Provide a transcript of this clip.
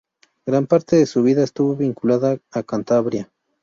Gran parte de su vida estuvo vinculada a Cantabria.